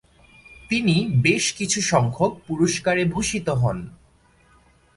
তিনি বেশ কিছুসংখ্যক পুরস্কারে ভূষিত হন।